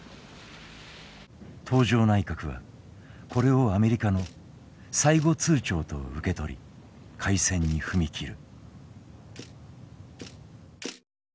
東条内閣はこれをアメリカの最後通牒と受け取り開戦に踏み切る。